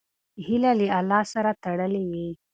هیله له الله سره تړلې وي.